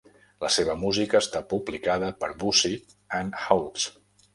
La seva música està publicada per Boosey and Hawkes.